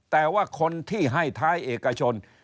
แต่ว่าคนที่ให้ท้ายเอกชน